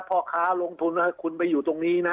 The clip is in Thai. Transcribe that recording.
พ่อค้าลงทุนคุณไปอยู่ตรงนี้นะ